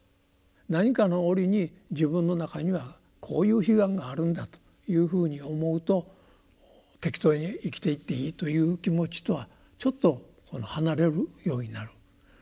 何かの折に自分の中にはこういう悲願があるんだというふうに思うと適当に生きていっていいという気持ちとはちょっと離れるようになる。